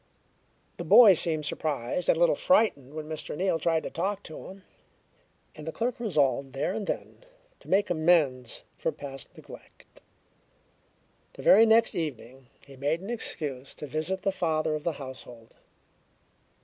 The boy seemed surprised and a little frightened when Mr. Neal tried to talk to him, and the clerk resolved there and then to make amends for past neglect. The very next evening he made an excuse to visit the father of the household.